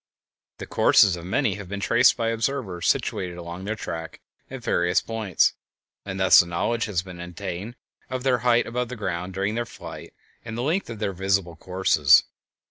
The courses of many have been traced by observers situated along their track at various points, and thus a knowledge has been obtained of their height above the ground during their flight and of the length of their visible courses.